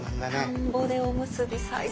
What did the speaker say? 田んぼでおむすび最高。